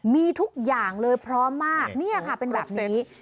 มีทุกอย่างเลยพร้อมมากนี่ค่ะเป็นแบบนี้